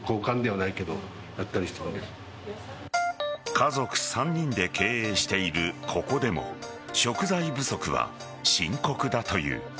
家族３人で経営しているここでも食材不足は深刻だという。